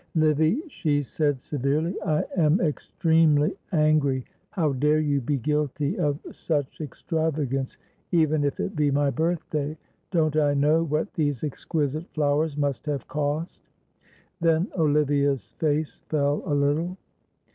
"Livy," she said, severely, "I am extremely angry! how dare you be guilty of such extravagance, even if it be my birthday! Don't I know what these exquisite flowers must have cost!" then Olivia's face fell a little.